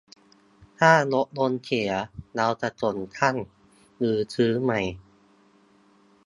ถ้ารถยนต์เสีย เราจะส่งช่าง หรือซื้อใหม่